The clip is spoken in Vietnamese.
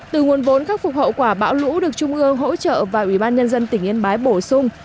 từ nguồn vốn khắc phục hậu quả bão lũ được trung ương hỗ trợ và ủy ban nhân dân tỉnh yên bái bổ sung